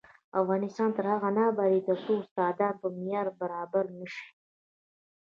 افغانستان تر هغو نه ابادیږي، ترڅو استادان په معیار برابر نشي.